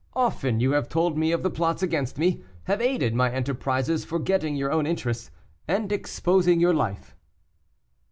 Often you have told me of the plots against me, have aided my enterprises forgetting your own interests, and exposing your life."